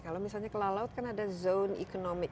kalau misalnya ke laut kan ada zone economic